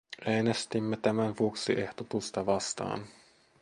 Äänestimme tämän vuoksi ehdotusta vastaan.